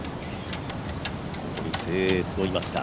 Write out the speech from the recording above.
ここに、精鋭集いました。